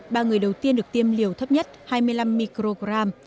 ba người đầu tiên được tiêm liều thấp nhất hai mươi năm microgram